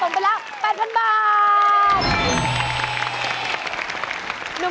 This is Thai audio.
ตอนนี้สะสมไปละ๘๐๐๐บาท